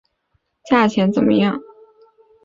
这个价钱怎么样？